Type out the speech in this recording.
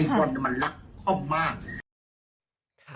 ไอบอลมันรักข้อมมาก